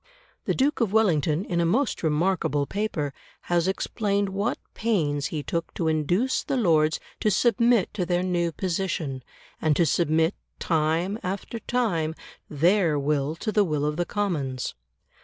The Duke of Wellington, in a most remarkable paper, has explained what pains he took to induce the Lords to submit to their new position, and to submit, time after time, their will to the will of the Commons.